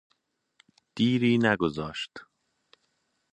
دیری نگذاشت